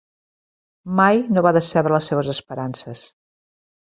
Mai no va decebre les seves esperances.